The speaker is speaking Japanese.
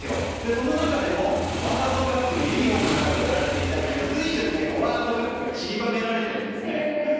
その中でもワールドカップのユニホームが売られていたり随所にワールドカップが散りばめられているんですね。